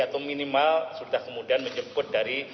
atau minimal sudah kemudian menjemput dari